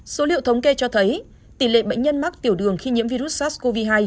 số liệu thống kê cho thấy tỷ lệ bệnh nhân mắc tiểu đường khi nhiễm virus sars cov hai